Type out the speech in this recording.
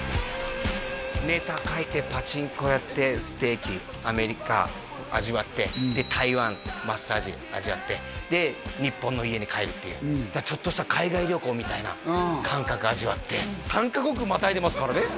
ネタ書いてパチンコやってステーキアメリカ味わってで台湾マッサージ味わってで日本の家に帰るっていうちょっとした海外旅行みたいな感覚味わって３カ国またいでますからね